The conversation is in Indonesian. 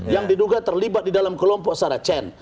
yang diduga terlibat di dalam kelompok saracen